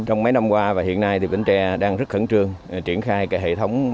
trong mấy năm qua và hiện nay thì bến tre đang rất khẩn trương triển khai hệ thống